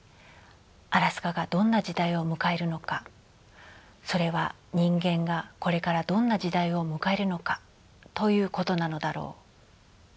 アラスカがどんな時代を迎えるのかそれは人間がこれからどんな時代を迎えるのかということなのだろう」。